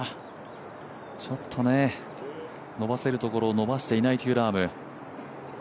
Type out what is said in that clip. ちょっと、伸ばせるところを伸ばしていないラーム。